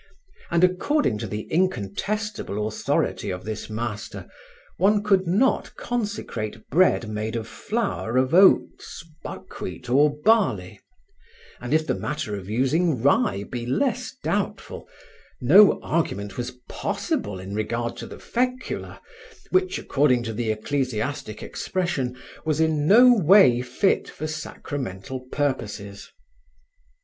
And, according to the incontestable authority of this master, one could not consecrate bread made of flour of oats, buckwheat or barley, and if the matter of using rye be less doubtful, no argument was possible in regard to the fecula which, according to the ecclesiastic expression, was in no way fit for sacramental purposes.